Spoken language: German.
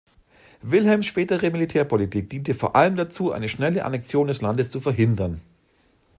Wilhelms spätere Militärpolitik diente vor allem dazu, eine schnelle Annexion des Landes zu verhindern.